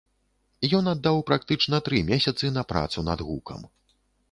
Ён аддаў практычна тры месяцы на працу над гукам.